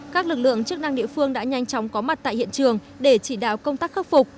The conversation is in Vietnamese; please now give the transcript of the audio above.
các lực lượng chức năng địa phương đã nhanh chóng có mặt tại hiện trường để chỉ đạo công tác khắc phục